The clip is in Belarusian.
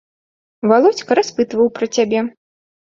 Валодзька распытваў пра цябе.